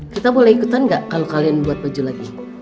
kita boleh ikutan nggak kalau kalian buat baju lagi